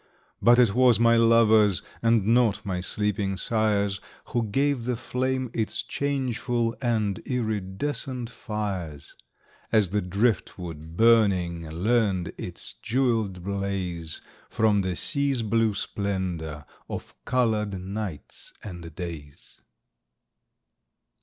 But it was my lovers, And not my sleeping sires, Who gave the flame its changeful And iridescent fires; As the driftwood burning Learned its jewelled blaze From the sea's blue splendor Of colored nights and days.